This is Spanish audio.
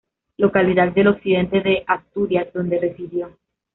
Localidad del occidente de Asturias donde residió.